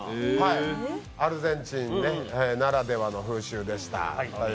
アルゼンチンならではの風習でした。